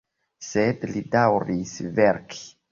Sed li daŭris verki.